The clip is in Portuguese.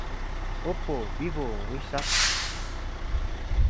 Oppo, Vivo, We Chat